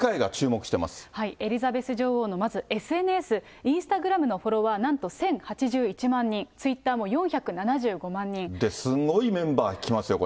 エリザベス女王のまずＳＮＳ、インスタグラムのフォロワー、なんと１０８１万人、ツイッターもすごいメンバー来ますよ。